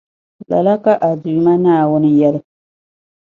Lala ka a Duuma Naawuni yεli.